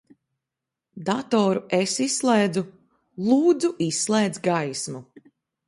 Datoru es izslēdzu. Lūdzu, izslēdz gaismu.